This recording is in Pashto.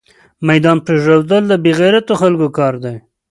ميدان پريښودل دبې غيرتو خلکو کار ده